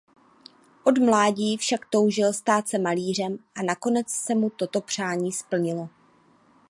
Od mládí však toužil stát se malířem a nakonec se mu toto přání splnilo.